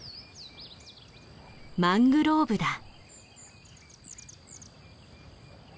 マングローブだ。